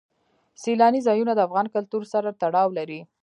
سیلانی ځایونه د افغان کلتور سره تړاو لري.